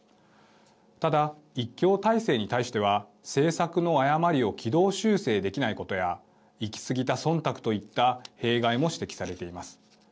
ただ一強体制に対しては政策の誤りを軌道修正できないことや行き過ぎたそんたくといった弊害も指摘されています。